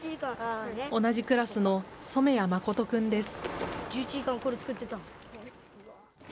同じクラスの染谷信君です。